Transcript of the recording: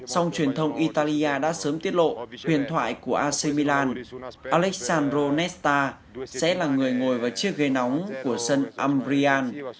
song truyền thông italia đã sớm tiết lộ huyền thoại của asemilan alexandro nesta sẽ là người ngồi vào chiếc ghế nóng của sân ambrian